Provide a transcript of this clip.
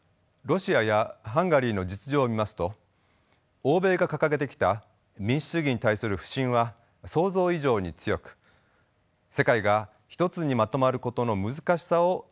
ロシアやハンガリーの実情を見ますと欧米が掲げてきた民主主義に対する不信は想像以上に強く世界が一つにまとまることの難しさを痛感します。